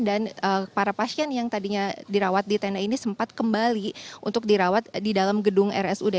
dan para pasien yang tadinya dirawat di tenda ini sempat kembali untuk dirawat di dalam gedung rsud